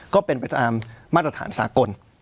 ก็เป็นไปตามมาตรฐานสากล